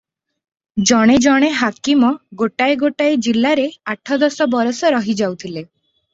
ଜଣେ ଜଣେ ହାକିମ ଗୋଟାଏ ଗୋଟାଏ ଜିଲ୍ଲାରେ ଆଠ ଦଶ ବରଷ ରହି ଯାଉଥିଲେ ।